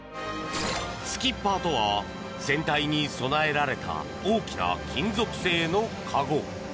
スキッパーとは船体に備えられた大きな金属製の籠。